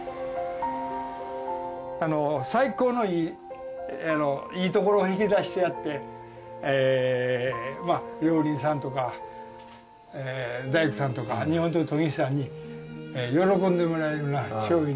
あの最高のいいいいところを引き出してやってえ料理人さんとかえ大工さんとか日本刀の研ぎ師さんに喜んでもらえるような商品に。